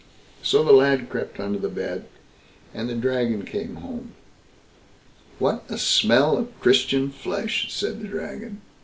So the lad crept under the bed, and the Dragon came home. "What a smell of Christian flesh", said the Dragon.